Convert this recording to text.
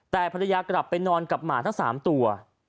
แต่ภรรยากลับไปนอนกับหมาทั้ง๓ตัว